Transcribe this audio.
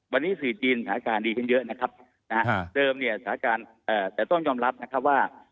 วันนี้สื่อจีนสถานการณ์ดีขึ้นเยอะนะครับนะฮะเดิมเนี่ยสถานการณ์แต่ต้องยอมรับนะครับว่า